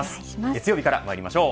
月曜日からまいりましょう。